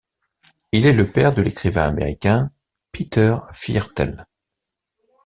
Il est le père de l'écrivain américain Peter Viertel.